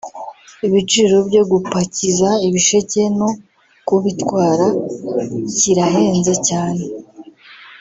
ibiciro byo gupakiza ibisheke no kubitwara kirahenze cyane